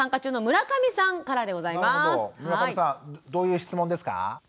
村上さんどういう質問ですか？